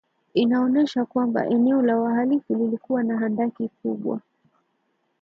inaonyesha kwamba eneo la wahalifu lilikuwa na handaki kubwa